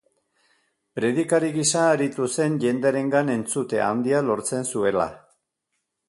Predikari gisa aritu zen jendearengan entzute handia lortzen zuela.